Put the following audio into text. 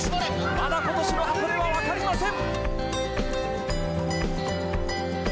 まだ今年の箱根はわかりません！